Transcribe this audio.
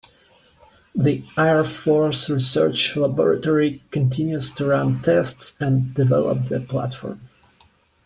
The Air Force Research Laboratory continues to run tests and develop the platform.